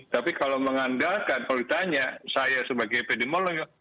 tapi kalau mengandalkan kalau ditanya saya sebagai epidemiolog